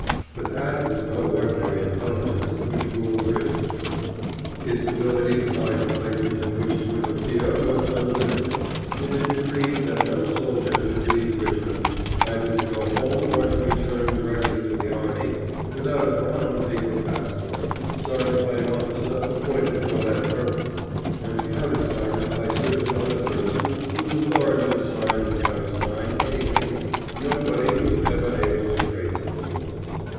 But that was no ordinary intelligence which ruled Richmond. Its ability to find places in which to interfere was unlimited, and it decreed that no soldier should leave Richmond, either to go home or to return direct to the army, without a brown paper passport, signed by an officer appointed for that purpose, and countersigned by certain other persons whose authority to sign or countersign anything nobody was ever able to trace to its source.